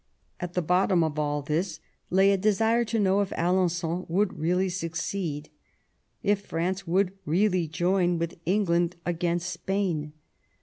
At the bottom of all this lay a desire to know if Alen9on would really succeed, if France would really join with England against Spain.